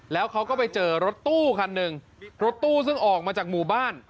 แล้วเขาก็ไปเจอรถตู้คันหนึ่งรถตู้ซึ่งออกมาจากหมู่บ้าน